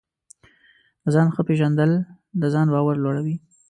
د ځان ښه پېژندل د ځان باور لوړوي.